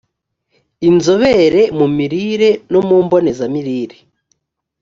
inzobere mu mirire no mu mboneza mirire